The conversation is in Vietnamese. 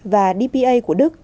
và dpa của đức